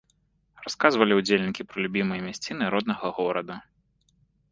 Расказвалі ўдзельнікі пра любімыя мясціны роднага горада.